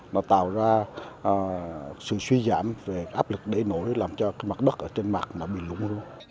nó tạo ra sự suy giảm về áp lực để nổi làm cho cái mặt đất ở trên mặt nó bị lũ